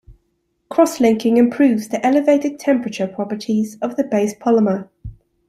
Crosslinking improves the elevated-temperature properties of the base polymer.